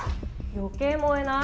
余計燃えない？